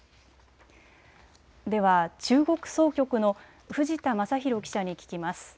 では中国総局の藤田正洋記者に聞きます。